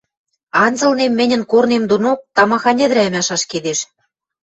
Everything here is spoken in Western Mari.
Анзылнем мӹньӹн корнем донок тамахань ӹдӹрӓмӓш ашкедеш.